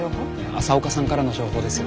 朝岡さんからの情報ですよ。